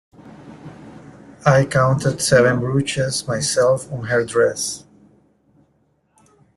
I counted seven brooches myself on her dress.